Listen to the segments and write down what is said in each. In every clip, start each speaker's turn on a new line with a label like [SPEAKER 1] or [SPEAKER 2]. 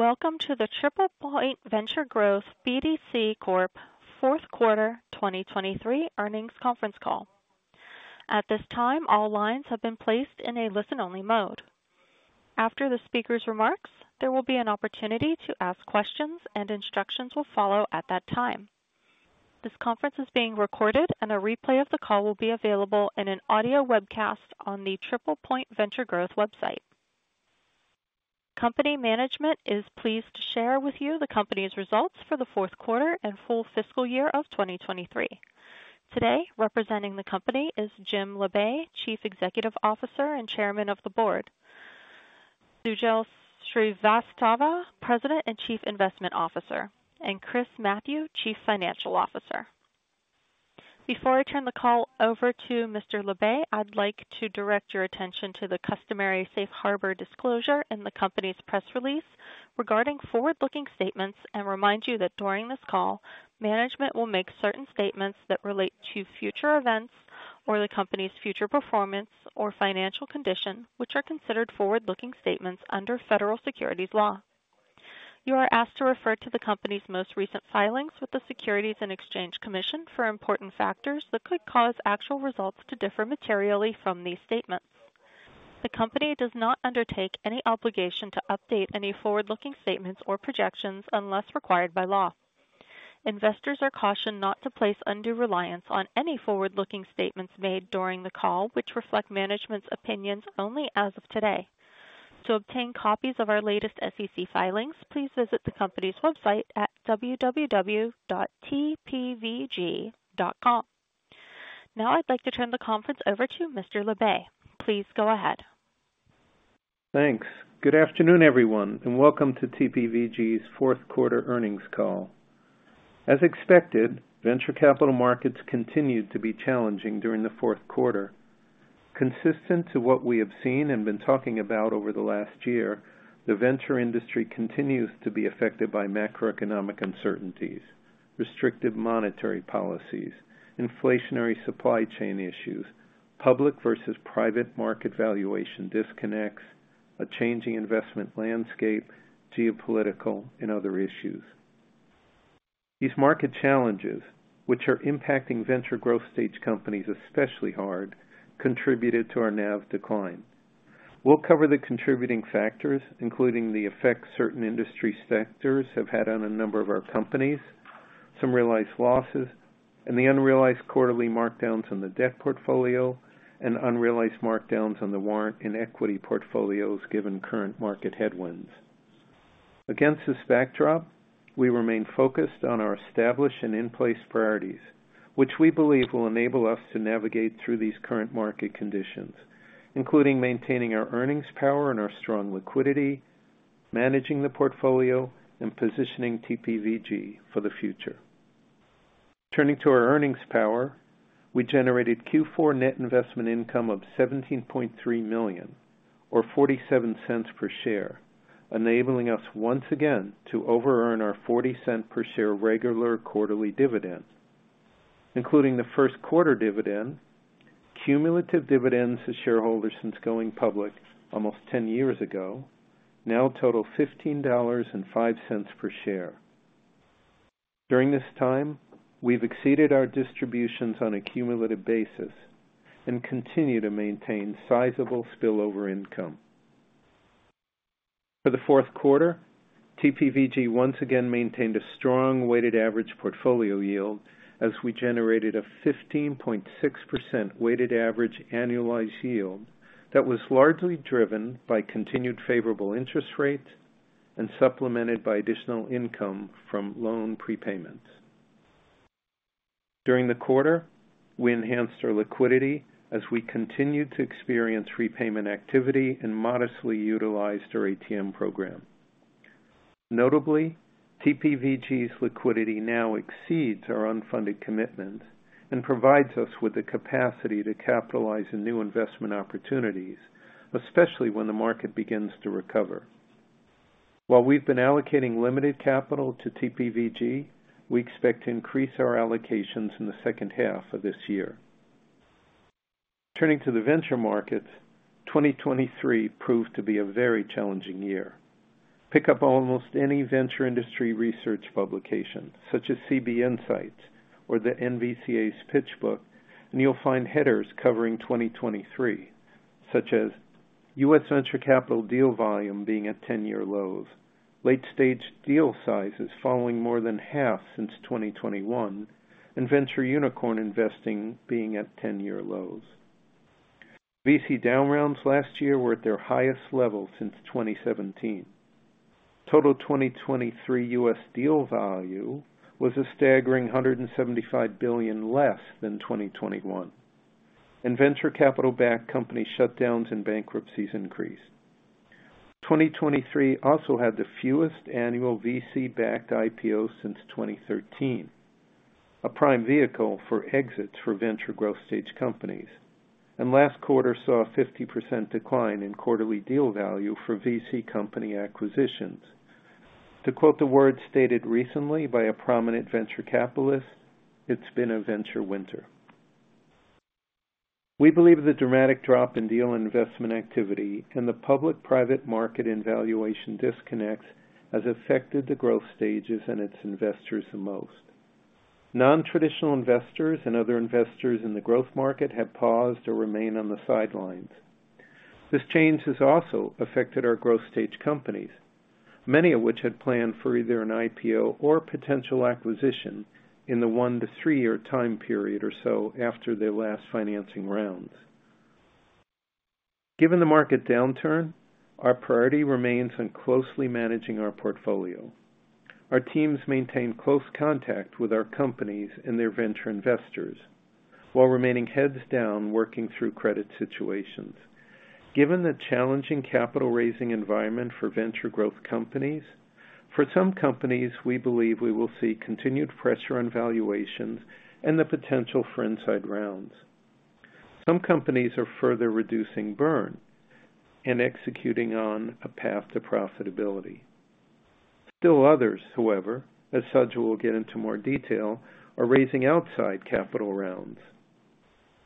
[SPEAKER 1] Welcome to the TriplePoint Venture Growth BDC Corp. Fourth Quarter 2023 Earnings Conference Call. At this time, all lines have been placed in a listen-only mode. After the speaker's remarks, there will be an opportunity to ask questions, and instructions will follow at that time. This conference is being recorded, and a replay of the call will be available in an audio webcast on the TriplePoint Venture Growth website. Company management is pleased to share with you the company's results for the fourth quarter and full fiscal year of 2023. Today, representing the company is Jim Labe, Chief Executive Officer and Chairman of the Board; Sajal Srivastava, President and Chief Investment Officer; and Chris Mathieu, Chief Financial Officer. Before I turn the call over to Mr. Labe. I'd like to direct your attention to the customary safe harbor disclosure in the company's press release regarding forward-looking statements and remind you that during this call, management will make certain statements that relate to future events or the company's future performance or financial condition, which are considered forward-looking statements under federal securities law. You are asked to refer to the company's most recent filings with the Securities and Exchange Commission for important factors that could cause actual results to differ materially from these statements. The company does not undertake any obligation to update any forward-looking statements or projections unless required by law. Investors are cautioned not to place undue reliance on any forward-looking statements made during the call, which reflect management's opinions only as of today. To obtain copies of our latest SEC filings, please visit the company's website at www.tpvg.com. Now I'd like to turn the conference over to Mr. Labe. Please go ahead.
[SPEAKER 2] Thanks. Good afternoon, everyone, and welcome to TPVG's Fourth Quarter Earnings Call. As expected, venture capital markets continued to be challenging during the fourth quarter. Consistent to what we have seen and been talking about over the last year, the venture industry continues to be affected by macroeconomic uncertainties, restrictive monetary policies, inflationary supply chain issues, public versus private market valuation disconnects, a changing investment landscape, geopolitical, and other issues. These market challenges, which are impacting venture growth stage companies especially hard, contributed to our NAV decline. We'll cover the contributing factors, including the effects certain industry sectors have had on a number of our companies, some realized losses, and the unrealized quarterly markdowns on the debt portfolio and unrealized markdowns on the warrant and equity portfolios given current market headwinds. Against this backdrop, we remain focused on our established and in-place priorities, which we believe will enable us to navigate through these current market conditions, including maintaining our earnings power and our strong liquidity, managing the portfolio, and positioning TPVG for the future. Turning to our earnings power, we generated Q4 net investment income of $17.3 million, or $0.47 per share, enabling us once again to over-earn our $0.40 per share regular quarterly dividend, including the first quarter dividend, cumulative dividends to shareholders since going public almost 10 years ago, now total $15.05 per share. During this time, we've exceeded our distributions on a cumulative basis and continue to maintain sizable spillover income. For the fourth quarter, TPVG once again maintained a strong weighted average portfolio yield as we generated a 15.6% weighted average annualized yield that was largely driven by continued favorable interest rates and supplemented by additional income from loan prepayments. During the quarter, we enhanced our liquidity as we continued to experience repayment activity and modestly utilized our ATM program. Notably, TPVG's liquidity now exceeds our unfunded commitments and provides us with the capacity to capitalize on new investment opportunities, especially when the market begins to recover. While we've been allocating limited capital to TPVG, we expect to increase our allocations in the second half of this year. Turning to the venture markets, 2023 proved to be a very challenging year. Pick up almost any venture industry research publication, such as CB Insights or the PitchBook, and you'll find headers covering 2023, such as U.S. Venture capital deal volume being at 10-year lows, late-stage deal sizes falling more than half since 2021, and venture unicorn investing being at 10-year lows. VC down rounds last year were at their highest level since 2017. Total 2023 U.S. deal value was a staggering $175 billion less than 2021, and venture capital-backed company shutdowns and bankruptcies increased. 2023 also had the fewest annual VC-backed IPOs since 2013, a prime vehicle for exits for venture growth stage companies, and last quarter saw a 50% decline in quarterly deal value for VC company acquisitions. To quote the words stated recently by a prominent venture capitalist, "It's been a venture winter." We believe the dramatic drop in deal and investment activity and the public-private market valuation disconnects have affected the growth stages and its investors the most. Non-traditional investors and other investors in the growth market have paused or remain on the sidelines. This change has also affected our growth stage companies, many of which had planned for either an IPO or potential acquisition in the one-to-three year time period or so after their last financing rounds. Given the market downturn, our priority remains on closely managing our portfolio. Our teams maintain close contact with our companies and their venture investors, while remaining heads down working through credit situations. Given the challenging capital-raising environment for venture growth companies, for some companies we believe we will see continued pressure on valuations and the potential for inside rounds. Some companies are further reducing burn and executing on a path to profitability. Still others, however, as Sajal will get into more detail, are raising outside capital rounds.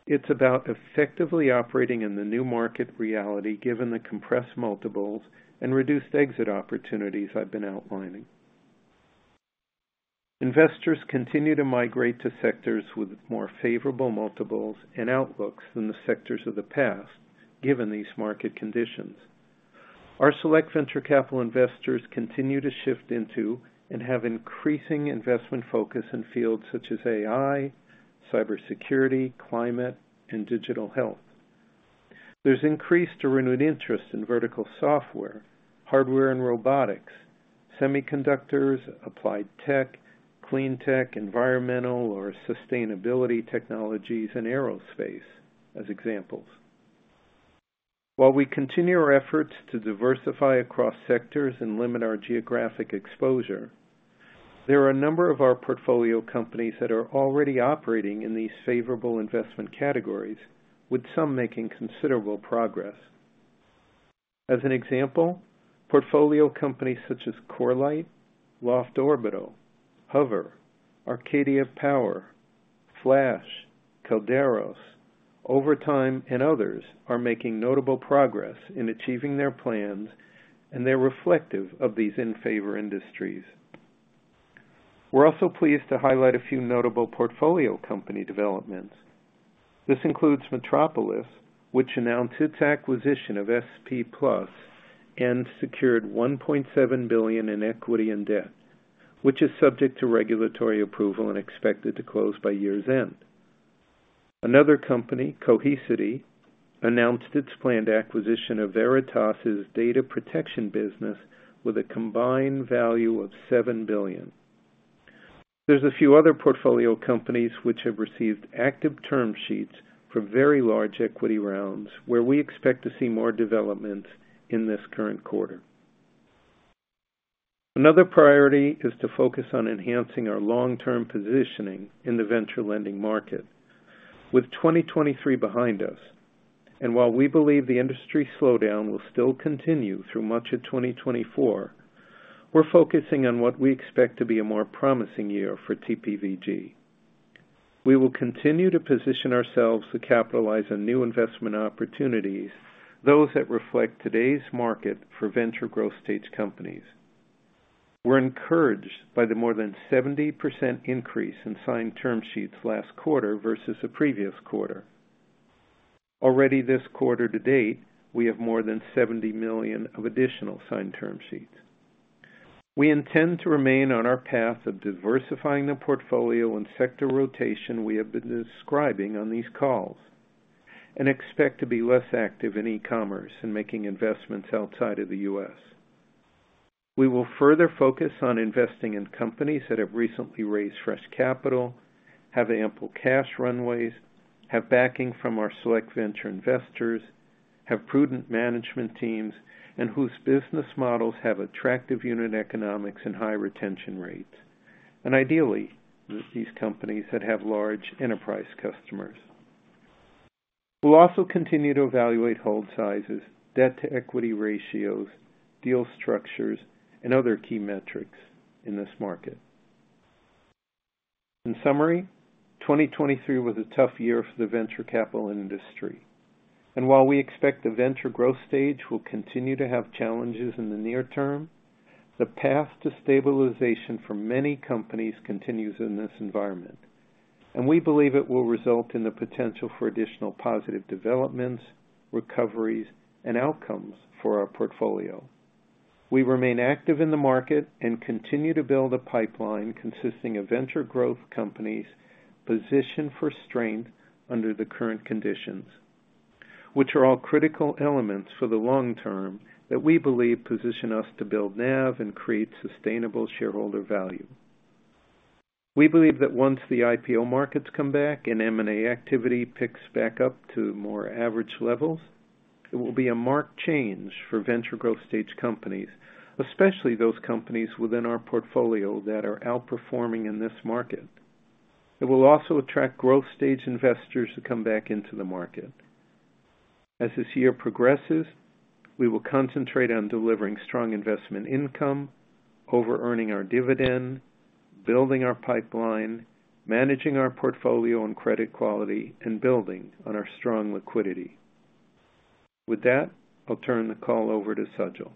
[SPEAKER 2] It's about effectively operating in the new market reality given the compressed multiples and reduced exit opportunities I've been outlining. Investors continue to migrate to sectors with more favorable multiples and outlooks than the sectors of the past given these market conditions. Our select venture capital investors continue to shift into and have increasing investment focus in fields such as AI, cybersecurity, climate, and digital health. There's increased renewed interest in vertical software, hardware and robotics, semiconductors, applied tech, clean tech, environmental or sustainability technologies, and aerospace as examples. While we continue our efforts to diversify across sectors and limit our geographic exposure, there are a number of our portfolio companies that are already operating in these favorable investment categories, with some making considerable progress. As an example, portfolio companies such as Corelight, Loft Orbital, HOVER, Arcadia Power, Flash, Kalderos, Overtime, and others are making notable progress in achieving their plans, and they're reflective of these in-favor industries. We're also pleased to highlight a few notable portfolio company developments. This includes Metropolis, which announced its acquisition of SP+ and secured $1.7 billion in equity and debt, which is subject to regulatory approval and expected to close by year's end. Another company, Cohesity, announced its planned acquisition of Veritas' data protection business with a combined value of $7 billion. There's a few other portfolio companies which have received active term sheets for very large equity rounds, where we expect to see more developments in this current quarter. Another priority is to focus on enhancing our long-term positioning in the venture lending market. With 2023 behind us, and while we believe the industry slowdown will still continue through much of 2024, we're focusing on what we expect to be a more promising year for TPVG. We will continue to position ourselves to capitalize on new investment opportunities, those that reflect today's market for venture growth stage companies. We're encouraged by the more than 70% increase in signed term sheets last quarter versus the previous quarter. Already this quarter to date, we have more than $70 million of additional signed term sheets. We intend to remain on our path of diversifying the portfolio and sector rotation we have been describing on these calls, and expect to be less active in e-commerce and making investments outside of the U.S. We will further focus on investing in companies that have recently raised fresh capital, have ample cash runways, have backing from our select venture investors, have prudent management teams, and whose business models have attractive unit economics and high retention rates, and ideally these companies that have large enterprise customers. We'll also continue to evaluate hold sizes, debt-to-equity ratios, deal structures, and other key metrics in this market. In summary, 2023 was a tough year for the venture capital industry. While we expect the venture growth stage will continue to have challenges in the near term, the path to stabilization for many companies continues in this environment, and we believe it will result in the potential for additional positive developments, recoveries, and outcomes for our portfolio. We remain active in the market and continue to build a pipeline consisting of venture growth companies positioned for strength under the current conditions, which are all critical elements for the long term that we believe position us to build NAV and create sustainable shareholder value. We believe that once the IPO markets come back and M&A activity picks back up to more average levels, it will be a marked change for venture growth stage companies, especially those companies within our portfolio that are outperforming in this market. It will also attract growth stage investors to come back into the market. As this year progresses, we will concentrate on delivering strong investment income, over-earning our dividend, building our pipeline, managing our portfolio on credit quality, and building on our strong liquidity. With that, I'll turn the call over to Sajal.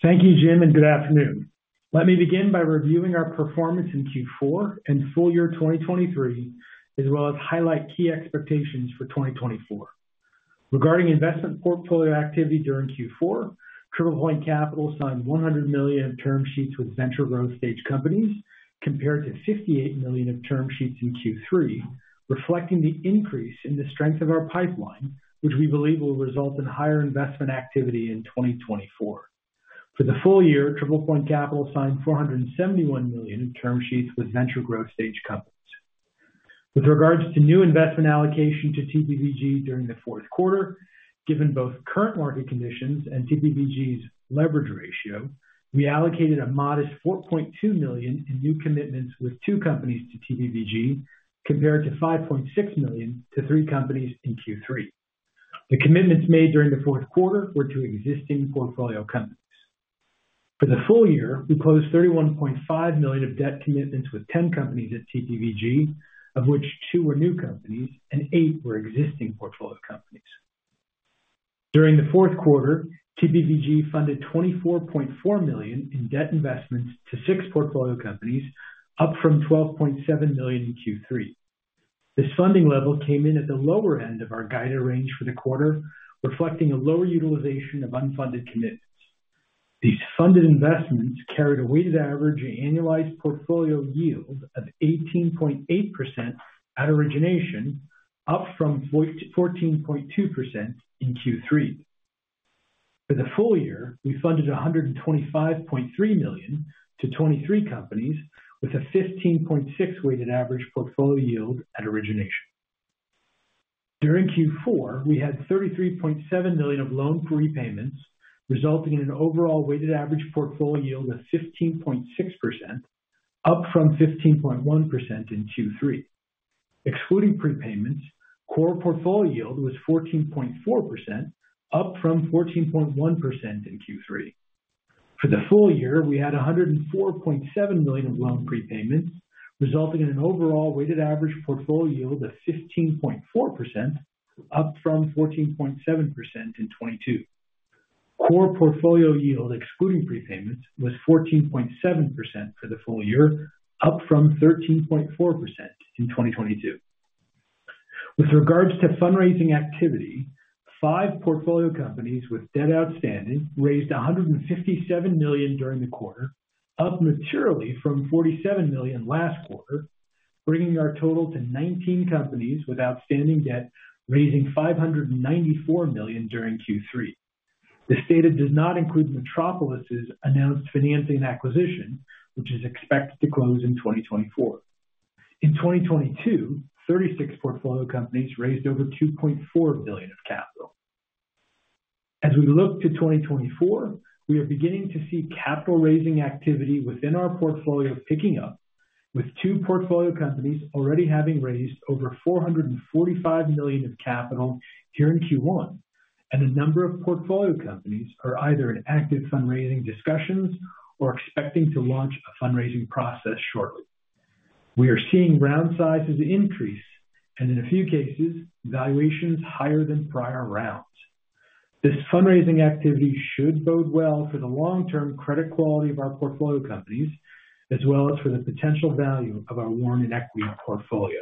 [SPEAKER 3] Thank you, Jim, and good afternoon. Let me begin by reviewing our performance in Q4 and full year 2023, as well as highlight key expectations for 2024. Regarding investment portfolio activity during Q4, TriplePoint Capital signed $100 million of term sheets with venture growth stage companies compared to $58 million of term sheets in Q3, reflecting the increase in the strength of our pipeline, which we believe will result in higher investment activity in 2024. For the full year, TriplePoint Capital signed $471 million of term sheets with venture growth stage companies. With regards to new investment allocation to TPVG during the fourth quarter, given both current market conditions and TPVG's leverage ratio, we allocated a modest $4.2 million in new commitments with two companies to TPVG compared to $5.6 million to three companies in Q3. The commitments made during the fourth quarter were to existing portfolio companies. For the full year, we closed $31.5 million of debt commitments with 10 companies at TPVG, of which two were new companies and eight were existing portfolio companies. During the fourth quarter, TPVG funded $24.4 million in debt investments to six portfolio companies, up from $12.7 million in Q3. This funding level came in at the lower end of our guided range for the quarter, reflecting a lower utilization of unfunded commitments. These funded investments carried a weighted average annualized portfolio yield of 18.8% at origination, up from 14.2% in Q3. For the full year, we funded $125.3 million to 23 companies with a 15.6% weighted average portfolio yield at origination. During Q4, we had $33.7 million of loan prepayments, resulting in an overall weighted average portfolio yield of 15.6%, up from 15.1% in Q3. Excluding prepayments, core portfolio yield was 14.4%, up from 14.1% in Q3. For the full year, we had $104.7 million of loan prepayments, resulting in an overall weighted average portfolio yield of 15.4%, up from 14.7% in 2022. Core portfolio yield excluding prepayments was 14.7% for the full year, up from 13.4% in 2022. With regards to fundraising activity, five portfolio companies with debt outstanding raised $157 million during the quarter, up materially from $47 million last quarter, bringing our total to 19 companies with outstanding debt raising $594 million during Q3. This data does not include Metropolis's announced financing acquisition, which is expected to close in 2024. In 2022, 36 portfolio companies raised over $2.4 billion of capital. As we look to 2024, we are beginning to see capital-raising activity within our portfolio picking up, with 2 portfolio companies already having raised over $445 million of capital here in Q1, and a number of portfolio companies are either in active fundraising discussions or expecting to launch a fundraising process shortly. We are seeing round sizes increase and, in a few cases, valuations higher than prior rounds. This fundraising activity should bode well for the long-term credit quality of our portfolio companies, as well as for the potential value of our warranted equity portfolio.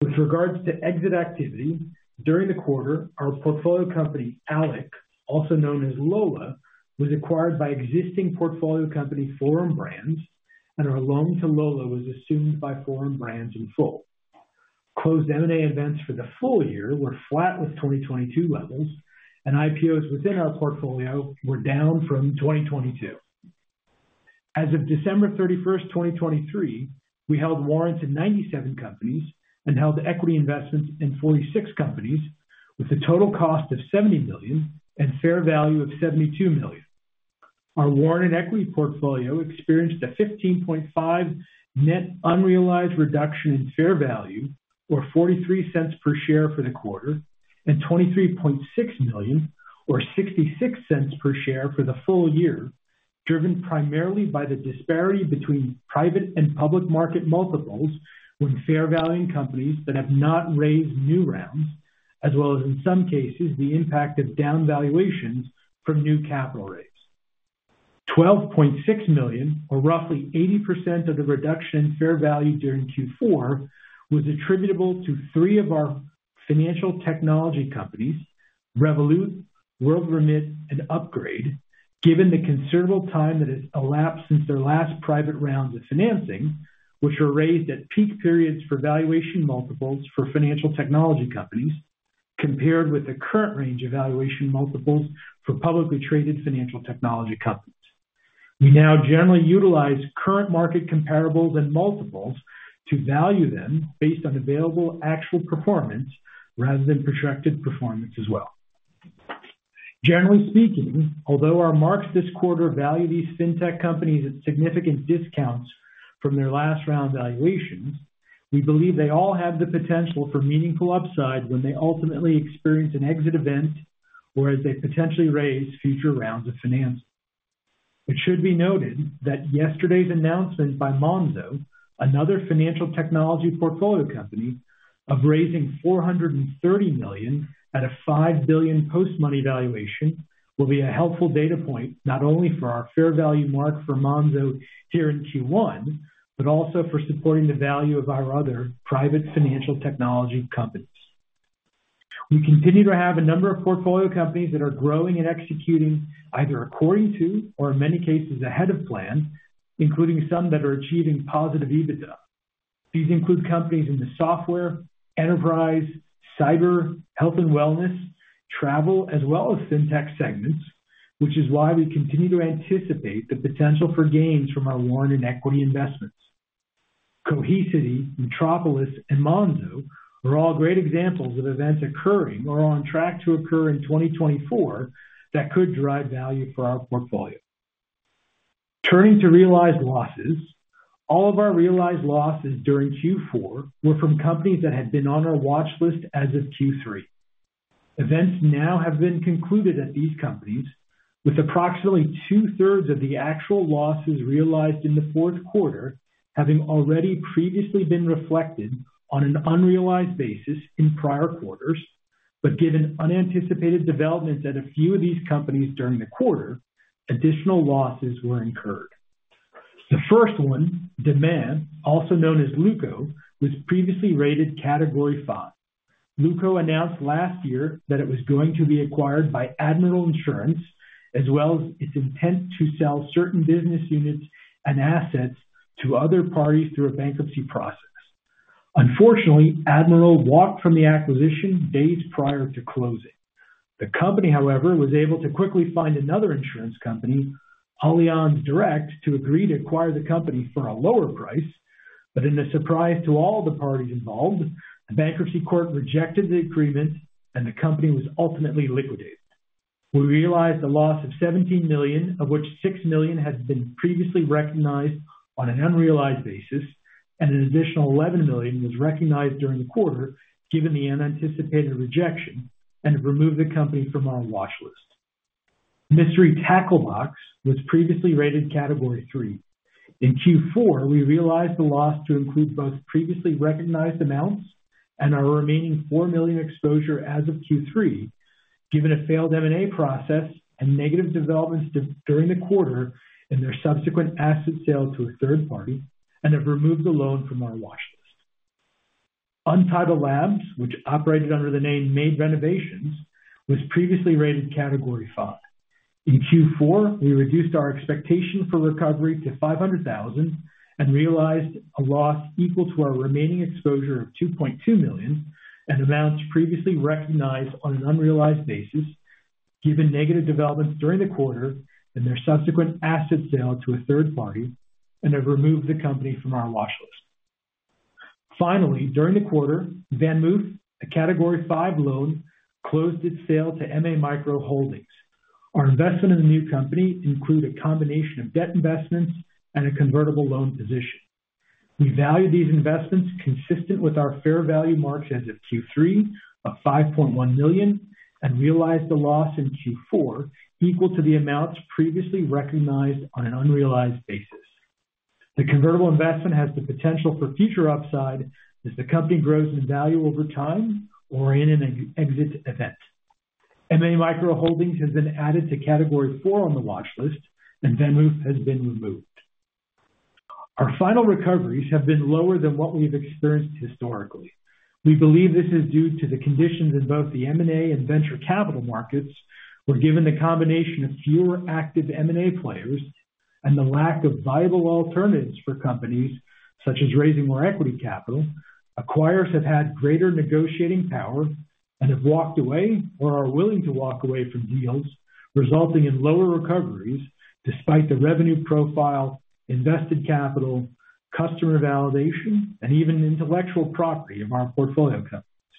[SPEAKER 3] With regards to exit activity, during the quarter, our portfolio company Lola, also known as Lola, was acquired by existing portfolio company Forum Brands, and our loan to Lola was assumed by Forum Brands in full. Closed M&A events for the full year were flat with 2022 levels, and IPOs within our portfolio were down from 2022. As of December 31, 2023, we held warrants in 97 companies and held equity investments in 46 companies, with a total cost of $70 million and fair value of $72 million. Our warranted equity portfolio experienced a 15.5% net unrealized reduction in fair value, or $0.43 per share for the quarter, and $23.6 million, or $0.66 per share for the full year, driven primarily by the disparity between private and public market multiples when fair valuing companies that have not raised new rounds, as well as, in some cases, the impact of downvaluations from new capital raise. $12.6 million, or roughly 80% of the reduction in fair value during Q4, was attributable to three of our financial technology companies, Revolut, WorldRemit, and Upgrade, given the considerable time that has elapsed since their last private rounds of financing, which were raised at peak periods for valuation multiples for financial technology companies compared with the current range of valuation multiples for publicly traded financial technology companies. We now generally utilize current market comparables and multiples to value them based on available actual performance rather than projected performance as well. Generally speaking, although our marks this quarter value these fintech companies at significant discounts from their last round valuations, we believe they all have the potential for meaningful upside when they ultimately experience an exit event or as they potentially raise future rounds of financing. It should be noted that yesterday's announcement by Monzo, another financial technology portfolio company, of raising $430 million at a $5 billion post-money valuation will be a helpful data point not only for our fair value mark for Monzo here in Q1, but also for supporting the value of our other private financial technology companies. We continue to have a number of portfolio companies that are growing and executing either according to or, in many cases, ahead of plan, including some that are achieving positive EBITDA. These include companies in the software, enterprise, cyber, health and wellness, travel, as well as fintech segments, which is why we continue to anticipate the potential for gains from our warranted equity investments. Cohesity, Metropolis, and Monzo are all great examples of events occurring or on track to occur in 2024 that could drive value for our portfolio. Turning to realized losses, all of our realized losses during Q4 were from companies that had been on our watch list as of Q3. Events now have been concluded at these companies, with approximately two-thirds of the actual losses realized in the fourth quarter having already previously been reflected on an unrealized basis in prior quarters, but given unanticipated developments at a few of these companies during the quarter, additional losses were incurred. The first one, Demain, also known as Luko, was previously rated Category 5. Luko announced last year that it was going to be acquired by Admiral, as well as its intent to sell certain business units and assets to other parties through a bankruptcy process. Unfortunately, Admiral walked from the acquisition days prior to closing. The company, however, was able to quickly find another insurance company, Allianz Direct, to agree to acquire the company for a lower price, but in a surprise to all the parties involved, the bankruptcy court rejected the agreement, and the company was ultimately liquidated. We realized a loss of $17 million, of which $6 million had been previously recognized on an unrealized basis, and an additional $11 million was recognized during the quarter given the unanticipated rejection and removed the company from our watch list. Mystery Tackle Box was previously rated Category 3. In Q4, we realized the loss to include both previously recognized amounts and our remaining $4 million exposure as of Q3, given a failed M&A process and negative developments during the quarter in their subsequent asset sale to a third party, and have removed the loan from our watch list. Untitled Labs, which operated under the name Made Renovations, was previously rated Category 5. In Q4, we reduced our expectation for recovery to $500,000 and realized a loss equal to our remaining exposure of $2.2 million and amounts previously recognized on an unrealized basis, given negative developments during the quarter in their subsequent asset sale to a third party, and have removed the company from our watch list. Finally, during the quarter, VanMoof, a Category 5 loan, closed its sale to MA Micro Holdings. Our investment in the new company includes a combination of debt investments and a convertible loan position. We value these investments consistent with our fair value marks as of Q3 of $5.1 million and realized a loss in Q4 equal to the amounts previously recognized on an unrealized basis. The convertible investment has the potential for future upside as the company grows in value over time or in an exit event. MA Micro Holdings has been added to Category 4 on the watch list, and VanMoof has been removed. Our final recoveries have been lower than what we have experienced historically. We believe this is due to the conditions in both the M&A and venture capital markets where, given the combination of fewer active M&A players and the lack of viable alternatives for companies such as raising more equity capital, acquirers have had greater negotiating power and have walked away or are willing to walk away from deals, resulting in lower recoveries despite the revenue profile, invested capital, customer validation, and even intellectual property of our portfolio companies.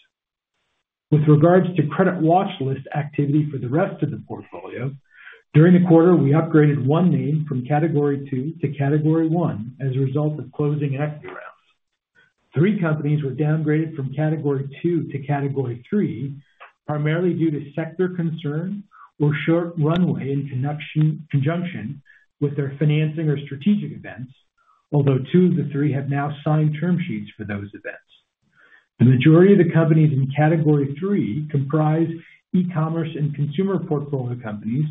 [SPEAKER 3] With regards to credit watch list activity for the rest of the portfolio, during the quarter, we upgraded one name from Category 2 to Category 1 as a result of closing equity rounds. Three companies were downgraded from Category 2 to Category 3 primarily due to sector concern or short runway in conjunction with their financing or strategic events, although two of the three have now signed term sheets for those events. The majority of the companies in Category 3 comprise e-commerce and consumer portfolio companies,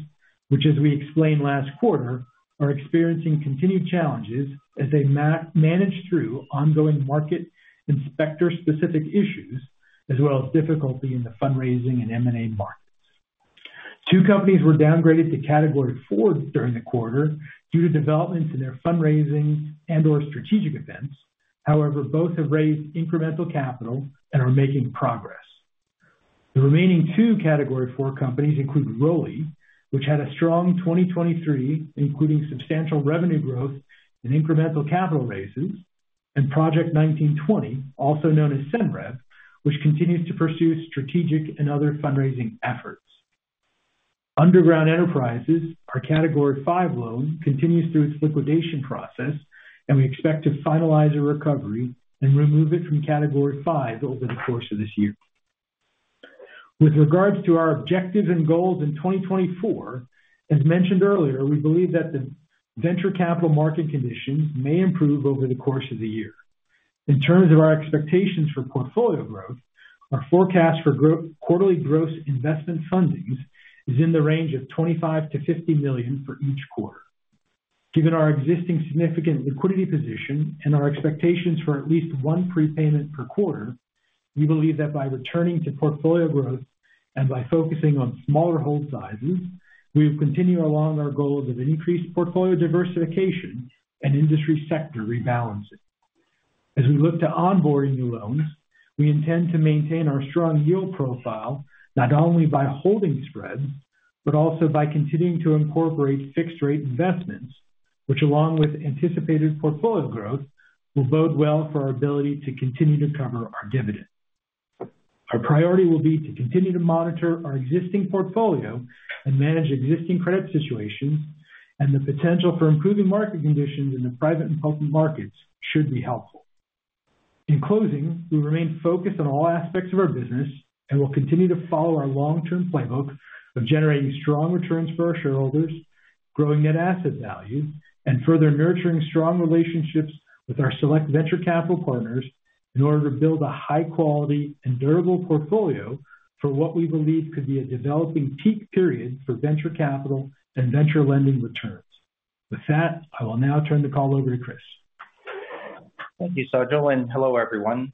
[SPEAKER 3] which, as we explained last quarter, are experiencing continued challenges as they manage through ongoing market and sector-specific issues, as well as difficulty in the fundraising and M&A markets. Two companies were downgraded to Category 4 during the quarter due to developments in their fundraising and/or strategic events. However, both have raised incremental capital and are making progress. The remaining two Category 4 companies include Roli, which had a strong 2023, including substantial revenue growth and incremental capital raises, and Project 1920, also known as Senreve, which continues to pursue strategic and other fundraising efforts. Underground Enterprises, our Category 5 loan, continues through its liquidation process, and we expect to finalize a recovery and remove it from Category 5 over the course of this year. With regards to our objectives and goals in 2024, as mentioned earlier, we believe that the venture capital market conditions may improve over the course of the year. In terms of our expectations for portfolio growth, our forecast for quarterly gross investment fundings is in the range of $25 million to $50 million for each quarter. Given our existing significant liquidity position and our expectations for at least one prepayment per quarter, we believe that by returning to portfolio growth and by focusing on smaller hold sizes, we will continue along our goals of increased portfolio diversification and industry sector rebalancing. As we look to onboarding new loans, we intend to maintain our strong yield profile not only by holding spreads but also by continuing to incorporate fixed-rate investments, which, along with anticipated portfolio growth, will bode well for our ability to continue to cover our dividend. Our priority will be to continue to monitor our existing portfolio and manage existing credit situations, and the potential for improving market conditions in the private and public markets should be helpful. In closing, we remain focused on all aspects of our business and will continue to follow our long-term playbook of generating strong returns for our shareholders, growing net asset value, and further nurturing strong relationships with our select venture capital partners in order to build a high-quality and durable portfolio for what we believe could be a developing peak period for venture capital and venture lending returns. With that, I will now turn the call over to Chris.
[SPEAKER 4] Thank you, Sajal, and hello, everyone.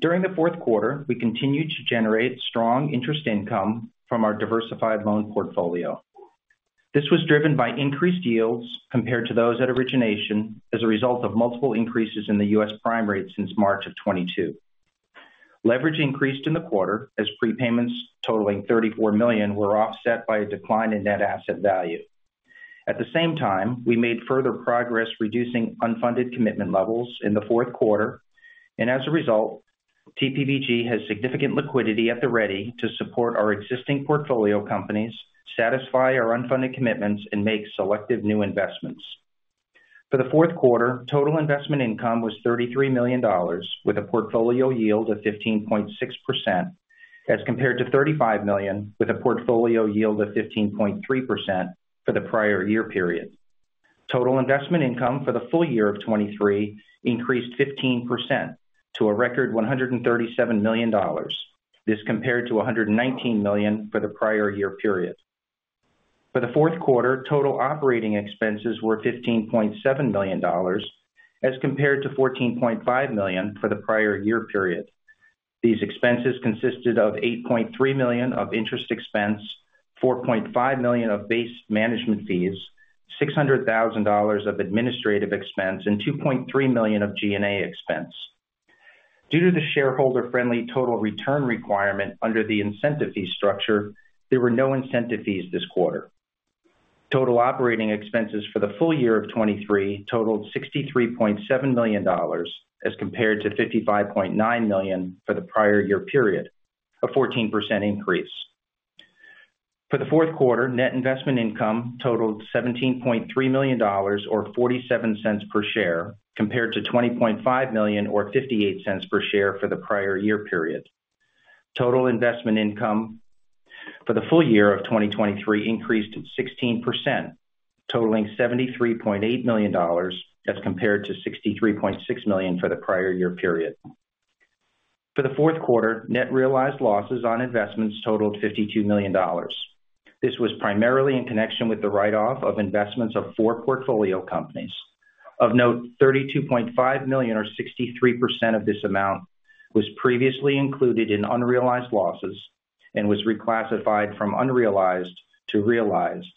[SPEAKER 4] During the fourth quarter, we continued to generate strong interest income from our diversified loan portfolio. This was driven by increased yields compared to those at origination as a result of multiple increases in the U.S. prime rate since March of 2022. Leverage increased in the quarter as prepayments totaling $34 million were offset by a decline in net asset value. At the same time, we made further progress reducing unfunded commitment levels in the fourth quarter, and as a result, TPVG has significant liquidity at the ready to support our existing portfolio companies, satisfy our unfunded commitments, and make selective new investments. For the fourth quarter, total investment income was $33 million, with a portfolio yield of 15.6% as compared to $35 million, with a portfolio yield of 15.3% for the prior year period. Total investment income for the full year of 2023 increased 15% to a record $137 million, this compared to $119 million for the prior year period. For the fourth quarter, total operating expenses were $15.7 million as compared to $14.5 million for the prior year period. These expenses consisted of $8.3 million of interest expense, $4.5 million of base management fees, $600,000 of administrative expense, and $2.3 million of G&A expense. Due to the shareholder-friendly total return requirement under the incentive fee structure, there were no incentive fees this quarter. Total operating expenses for the full year of 2023 totaled $63.7 million as compared to $55.9 million for the prior year period, a 14% increase. For the fourth quarter, net investment income totaled $17.3 million or $0.47 per share compared to $20.5 million or $0.58 per share for the prior year period. Total investment income for the full year of 2023 increased 16%, totaling $73.8 million as compared to $63.6 million for the prior year period. For the fourth quarter, net realized losses on investments totaled $52 million. This was primarily in connection with the write-off of investments of four portfolio companies. Of note, $32.5 million or 63% of this amount was previously included in unrealized losses and was reclassified from unrealized to realized.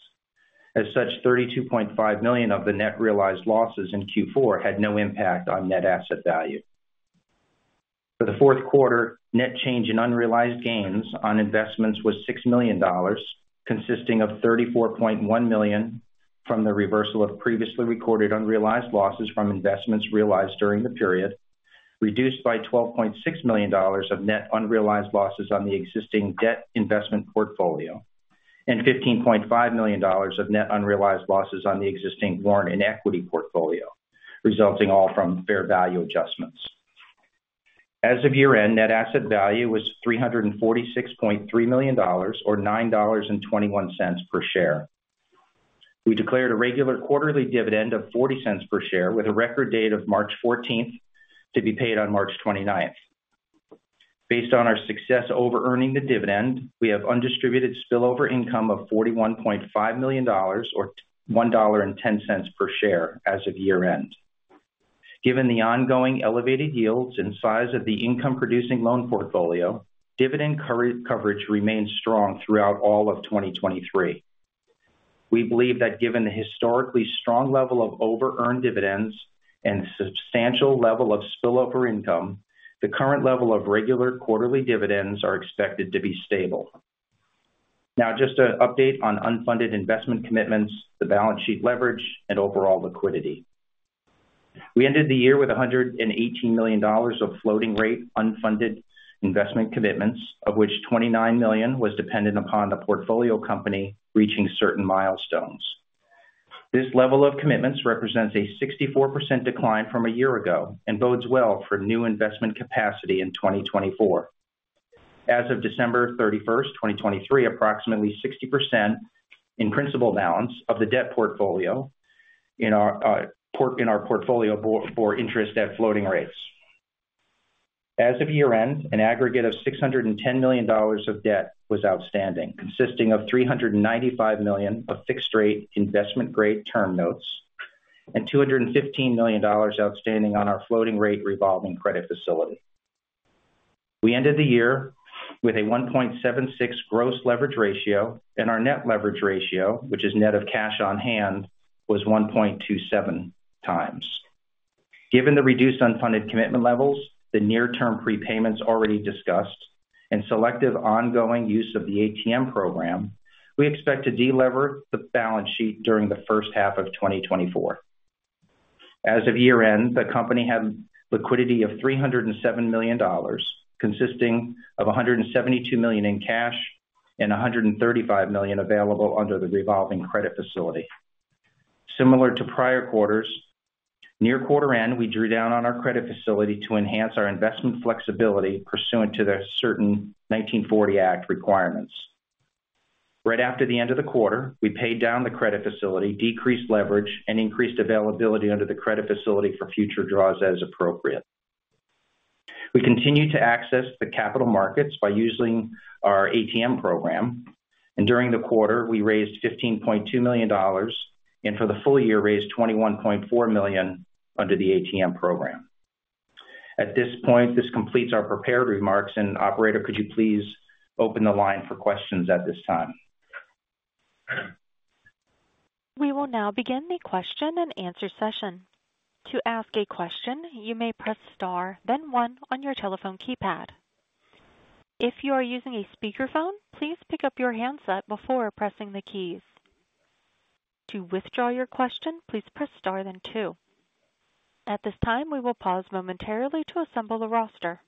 [SPEAKER 4] As such, $32.5 million of the net realized losses in Q4 had no impact on net asset value. For the fourth quarter, net change in unrealized gains on investments was $6 million, consisting of $34.1 million from the reversal of previously recorded unrealized losses from investments realized during the period, reduced by $12.6 million of net unrealized losses on the existing debt investment portfolio, and $15.5 million of net unrealized losses on the existing warrant and equity portfolio, resulting all from fair value adjustments. As of year-end, net asset value was $346.3 million or $9.21 per share. We declared a regular quarterly dividend of $0.40 per share with a record date of March 14th to be paid on March 29th. Based on our success over-earning the dividend, we have undistributed spillover income of $41.5 million or $1.10 per share as of year-end. Given the ongoing elevated yields and size of the income-producing loan portfolio, dividend coverage remains strong throughout all of 2023. We believe that given the historically strong level of over-earned dividends and substantial level of spillover income, the current level of regular quarterly dividends are expected to be stable. Now, just an update on unfunded investment commitments, the balance sheet leverage, and overall liquidity. We ended the year with $118 million of floating-rate unfunded investment commitments, of which $29 million was dependent upon the portfolio company reaching certain milestones. This level of commitments represents a 64% decline from a year ago and bodes well for new investment capacity in 2024. As of December 31st, 2023, approximately 60% in principal balance of the debt portfolio in our portfolio bore interest at floating rates. As of year-end, an aggregate of $610 million of debt was outstanding, consisting of $395 million of fixed-rate investment-grade term notes and $215 million outstanding on our floating-rate revolving credit facility. We ended the year with a 1.76 gross leverage ratio, and our net leverage ratio, which is net of cash on hand, was 1.27x. Given the reduced unfunded commitment levels, the near-term prepayments already discussed, and selective ongoing use of the ATM program, we expect to delever the balance sheet during the first half of 2024. As of year-end, the company had liquidity of $307 million, consisting of $172 million in cash and $135 million available under the revolving credit facility. Similar to prior quarters, near quarter-end, we drew down on our credit facility to enhance our investment flexibility pursuant to the certain 1940 Act requirements. Right after the end of the quarter, we paid down the credit facility, decreased leverage, and increased availability under the credit facility for future draws as appropriate. We continue to access the capital markets by using our ATM program, and during the quarter, we raised $15.2 million and for the full year raised $21.4 million under the ATM program. At this point, this completes our prepared remarks. Operator, could you please open the line for questions at this time?
[SPEAKER 1] We will now begin the question and answer session. To ask a question, you may press star, then one, on your telephone keypad. If you are using a speakerphone, please pick up your handset before pressing the keys. To withdraw your question, please press star, then two. At this time, we will pause momentarily to assemble the roster.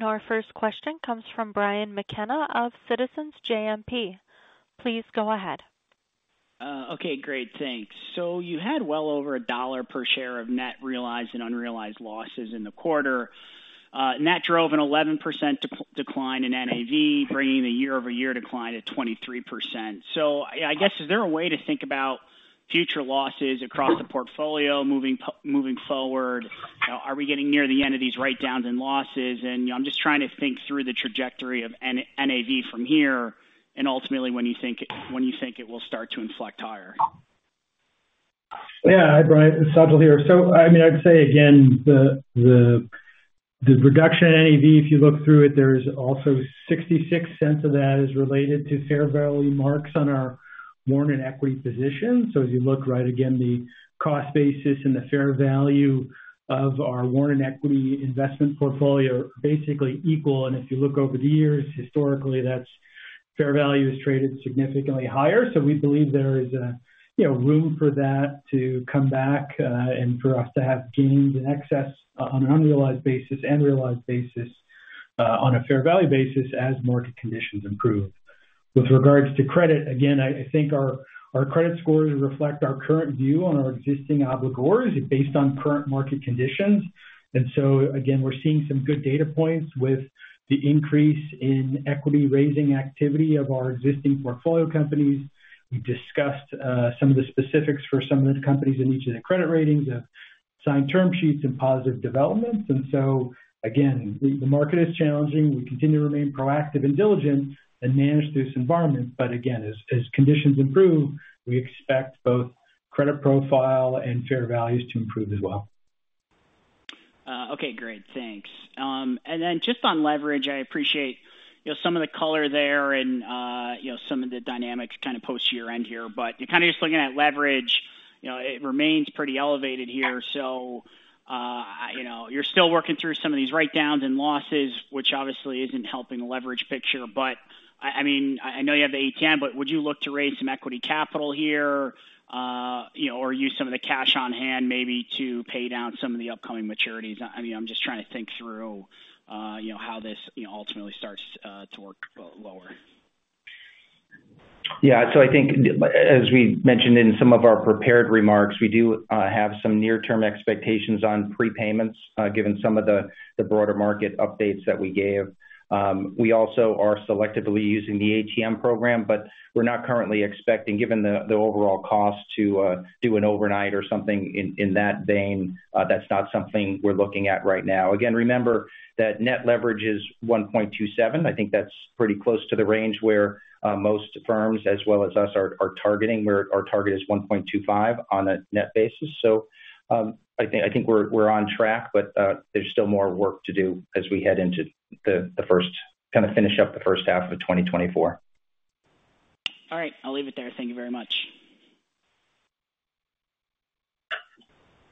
[SPEAKER 1] Our first question comes from Brian McKenna of Citizens JMP. Please go ahead. Okay, great. Thanks. So you had well over $1 per share of net realized and unrealized losses in the quarter. Net drove an 11% decline in NAV, bringing the year-over-year decline to 23%. So I guess, is there a way to think about future losses across the portfolio moving forward? Are we getting near the end of these write-downs and losses? And I'm just trying to think through the trajectory of NAV from here and ultimately when you think it will start to inflect higher.
[SPEAKER 3] Yeah, hi, Brian. It's Sajal here. So I mean, I'd say, again, the reduction in NAV, if you look through it, there's also $0.66 of that is related to fair value marks on our warrant and equity positions. So as you look right, again, the cost basis and the fair value of our warrant and equity investment portfolio are basically equal. If you look over the years, historically, fair value has traded significantly higher. We believe there is room for that to come back and for us to have gains in excess on an unrealized basis and realized basis on a fair value basis as market conditions improve. With regards to credit, again, I think our credit scores reflect our current view on our existing obligors based on current market conditions. So, again, we're seeing some good data points with the increase in equity raising activity of our existing portfolio companies. We discussed some of the specifics for some of the companies in each of the credit ratings of signed term sheets and positive developments. Again, the market is challenging. We continue to remain proactive and diligent and manage through this environment. But again, as conditions improve, we expect both credit profile and fair values to improve as well.
[SPEAKER 5] Okay, great. Thanks. And then just on leverage, I appreciate some of the color there and some of the dynamics kind of post-year-end here. But kind of just looking at leverage, it remains pretty elevated here. So you're still working through some of these write-downs and losses, which obviously isn't helping the leverage picture. But I mean, I know you have the ATM, but would you look to raise some equity capital here or use some of the cash on hand maybe to pay down some of the upcoming maturities? I mean, I'm just trying to think through how this ultimately starts to work lower.
[SPEAKER 3] So I think, as we mentioned in some of our prepared remarks, we do have some near-term expectations on prepayments given some of the broader market updates that we gave. We also are selectively using the ATM program, but we're not currently expecting, given the overall cost, to do an overnight or something in that vein. That's not something we're looking at right now. Again, remember that net leverage is 1.27. I think that's pretty close to the range where most firms, as well as us, are targeting. Our target is 1.25 on a net basis. So I think we're on track, but there's still more work to do as we head into the first kind of finish up the first half of 2024.
[SPEAKER 5] All right. I'll leave it there. Thank you very much.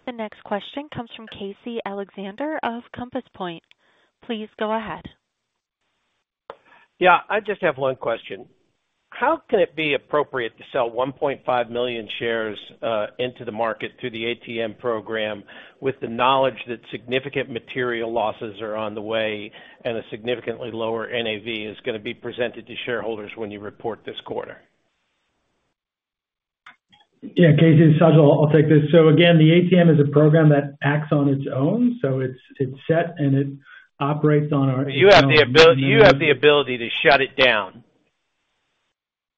[SPEAKER 1] The next question comes from Casey Alexander of Compass Point. Please go ahead.
[SPEAKER 6] Yeah, I just have one question. How can it be appropriate to sell 1.5 million shares into the market through the ATM program with the knowledge that significant material losses are on the way and a significantly lower NAV is going to be presented to shareholders when you report this quarter?
[SPEAKER 3] Yeah, Casey and Sajal, I'll take this. So again, the ATM is a program that acts on its own. So it's set and it operates on our. You have the ability to shut it down.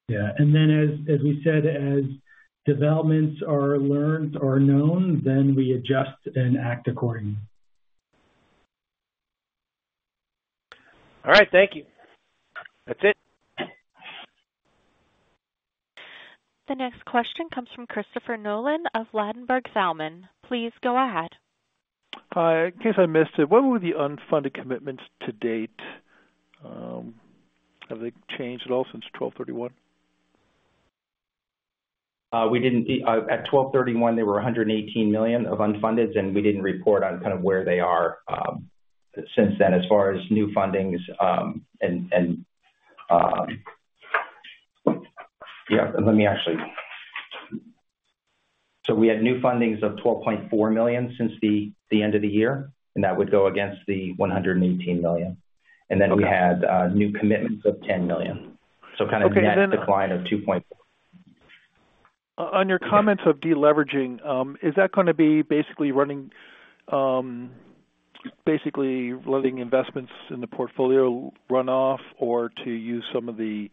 [SPEAKER 3] Yeah. And then, as we said, as developments are learned or known, then we adjust and act accordingly.
[SPEAKER 6] All right. Thank you. That's it.
[SPEAKER 1] The next question comes from Christopher Nolan of Ladenburg Thalmann. Please go ahead.
[SPEAKER 7] In case I missed it, what were the unfunded commitments to date? Have they changed at all since 12/31? At 12/31, there were $118 million of unfunded, and we didn't report on kind of where they are since then as far as new fundings. Yeah, let me actually so we had new fundings of $12.4 million since the end of the year, and that would go against the $118 million. Then we had new commitments of $10 million. So kind of net decline of $2.4 million. On your comments of deleveraging, is that going to be basically letting investments in the portfolio run off or to use some of the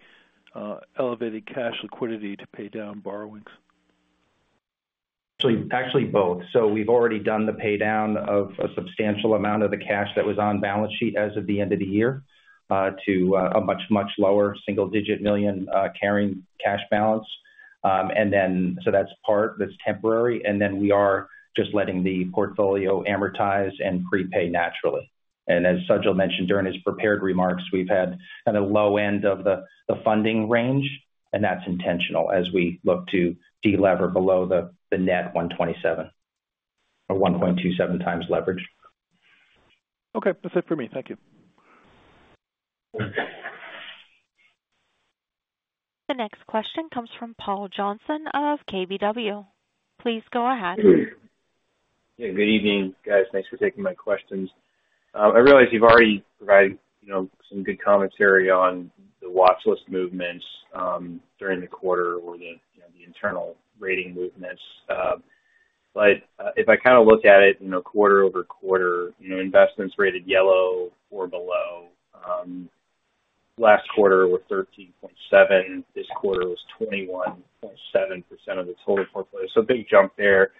[SPEAKER 7] elevated cash liquidity to pay down borrowings?
[SPEAKER 2] Actually, both. So we've already done the paydown of a substantial amount of the cash that was on balance sheet as of the end of the year to a much, much lower single-digit million carrying cash balance. So that's temporary. Then we are just letting the portfolio amortize and prepay naturally. As Sajal mentioned during his prepared remarks, we've had kind of low end of the funding range, and that's intentional as we look to delever below the net 1.27x or 1.27x leverage.
[SPEAKER 7] Okay. That's it for me. Thank you.
[SPEAKER 1] The next question comes from Paul Johnson of KBW. Please go ahead.
[SPEAKER 8] Yeah, good evening, guys. Thanks for taking my questions. I realize you've already provided some good commentary on the watchlist movements during the quarter or the internal rating movements. If I kind of look at it quarter-over-quarter, investments rated yellow or below, last quarter were 13.7%. This quarter was 21.7% of the total portfolio. Big jump there.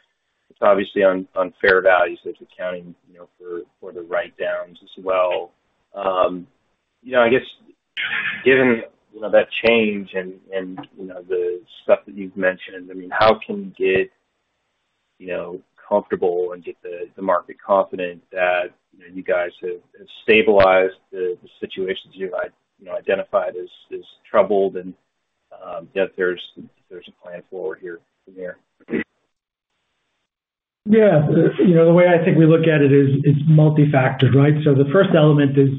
[SPEAKER 8] It's obviously on fair values that you're counting for the write-downs as well. I guess, given that change and the stuff that you've mentioned, I mean, how can you get comfortable and get the market confident that you guys have stabilized the situations you identified as troubled and that there's a plan forward from here?
[SPEAKER 3] Yeah. The way I think we look at it is multifactored, right? So the first element is,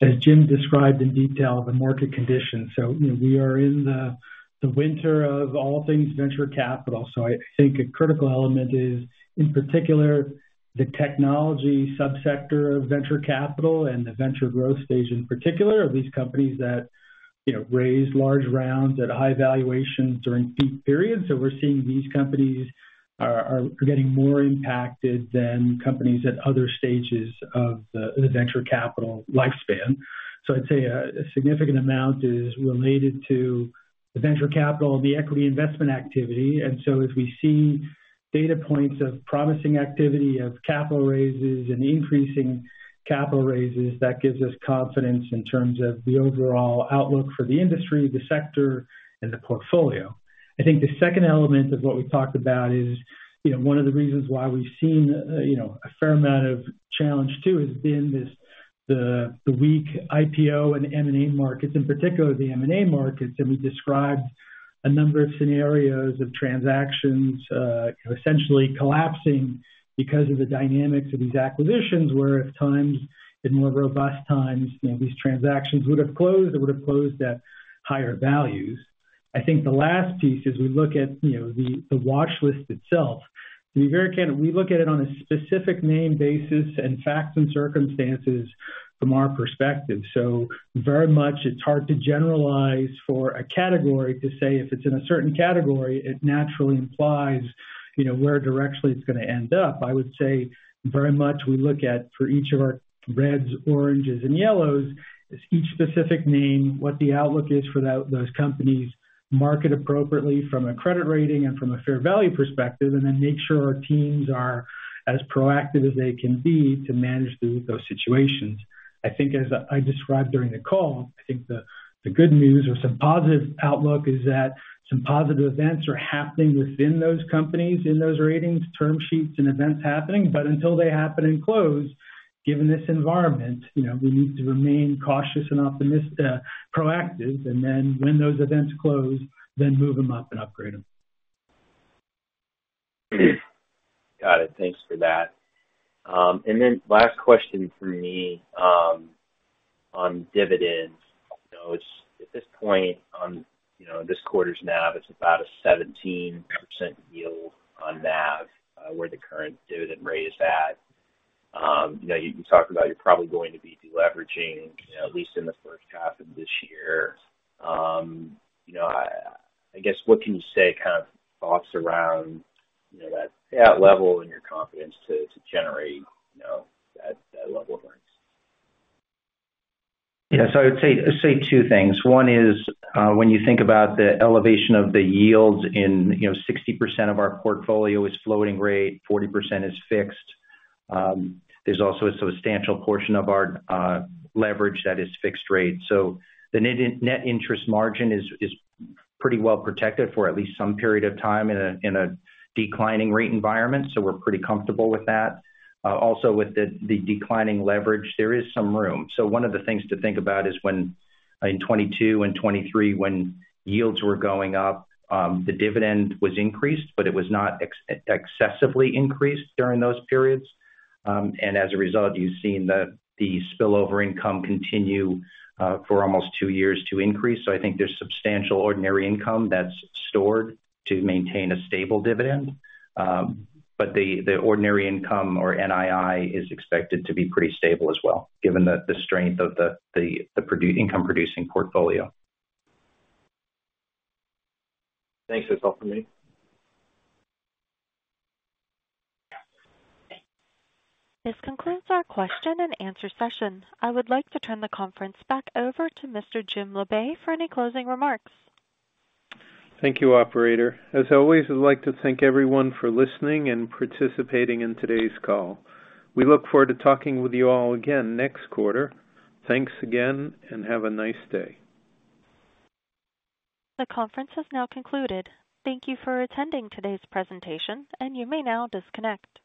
[SPEAKER 3] as Jim described in detail, the market conditions. So we are in the winter of all things venture capital. So I think a critical element is, in particular, the technology subsector of venture capital and the venture growth stage in particular of these companies that raised large rounds at high valuations during peak periods. So we're seeing these companies are getting more impacted than companies at other stages of the venture capital lifespan. So I'd say a significant amount is related to the venture capital and the equity investment activity. And so as we see data points of promising activity of capital raises and increasing capital raises, that gives us confidence in terms of the overall outlook for the industry, the sector, and the portfolio. I think the second element of what we talked about is one of the reasons why we've seen a fair amount of challenge too has been the weak IPO and M&A markets, in particular the M&A markets. And we described a number of scenarios of transactions essentially collapsing because of the dynamics of these acquisitions where at times, in more robust times, these transactions would have closed or would have closed at higher values. I think the last piece is we look at the watchlist itself. To be very candid, we look at it on a specific name basis and facts and circumstances from our perspective. So very much, it's hard to generalize for a category to say if it's in a certain category, it naturally implies where directionally it's going to end up. I would say very much we look at for each of our reds, oranges, and yellows, each specific name, what the outlook is for those companies market appropriately from a credit rating and from a fair value perspective, and then make sure our teams are as proactive as they can be to manage those situations. I think, as I described during the call, I think the good news or some positive outlook is that some positive events are happening within those companies in those ratings, term sheets, and events happening. But until they happen and close, given this environment, we need to remain cautious and proactive. And then when those events close, then move them up and upgrade them.
[SPEAKER 8] Got it. Thanks for that. Then last question from me on dividends. At this point, on this quarter's NAV, it's about a 17% yield on NAV where the current dividend rate is at. You talked about you're probably going to be deleveraging at least in the first half of this year. I guess, what can you say kind of thoughts around that level and your confidence to generate that level of earnings?
[SPEAKER 2] Yeah. So I would say two things. One is when you think about the elevation of the yields in 60% of our portfolio is floating rate, 40% is fixed. There's also a substantial portion of our leverage that is fixed rate. So the net interest margin is pretty well protected for at least some period of time in a declining rate environment. So we're pretty comfortable with that. Also, with the declining leverage, there is some room. So one of the things to think about is in 2022 and 2023, when yields were going up, the dividend was increased, but it was not excessively increased during those periods. And as a result, you've seen the spillover income continue for almost two years to increase. So I think there's substantial ordinary income that's stored to maintain a stable dividend. But the ordinary income or NII is expected to be pretty stable as well given the strength of the income-producing portfolio.
[SPEAKER 8] Thanks. That's all from me.
[SPEAKER 1] This concludes our question and answer session. I would like to turn the conference back over to Mr. Jim Labe for any closing remarks.
[SPEAKER 2] Thank you, operator. As always, I'd like to thank everyone for listening and participating in today's call. We look forward to talking with you all again next quarter. Thanks again, and have a nice day.
[SPEAKER 1] The conference has now concluded. Thank you for attending today's presentation, and you may now disconnect.